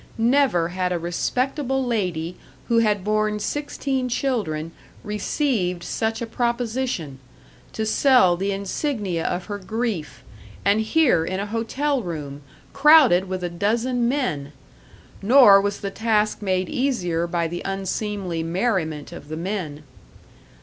Never had a respectable lady who had borne sixteen children received such a proposition; to sell the insignia of her grief and here in a hotel room, crowded with a dozen men! Nor was the task made easier by the unseemly merriment of the men.